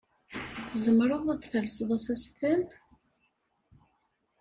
Tzemreḍ ad d-talseḍ asasten?